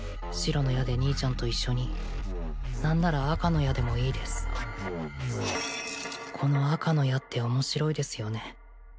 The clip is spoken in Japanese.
白の矢で兄ちゃんと一緒に何なら赤の矢でもいいですこの赤の矢って面白いですよね